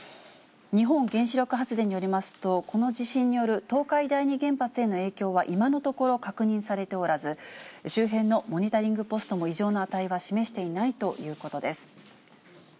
日本原子力発電によりますと、この地震による東海第二原発への影響は今のところ確認されておらず、周辺のモニタリングポストも異常の値は示していないということです。